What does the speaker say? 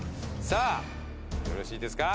さあよろしいですか？